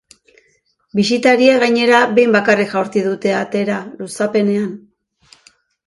Bisitariek, gainera, behin bakarrik jaurti dute atera, luzapenean.